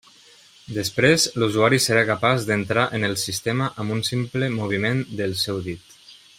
Després, l'usuari serà capaç d'entrar en el sistema amb un simple moviment del seu dit.